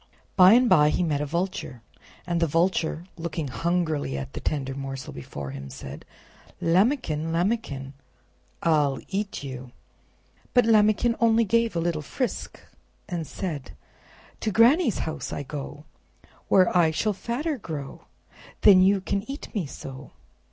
By and by he met a Vulture, and the Vulture, looking hungrily at the tender morsel before him, said: "Lambikin! Lambikin! I'll EAT YOU!" But Lambikin only gave a little frisk, and said: "To Granny's house I go, Where I shall fatter grow, Then you can eat me so."